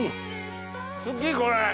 好きこれ！